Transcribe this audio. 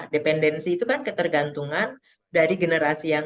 dependensi itu kan ketergantungan dari generasi yang